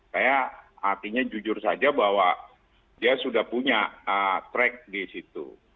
saya artinya jujur saja bahwa dia sudah punya track di situ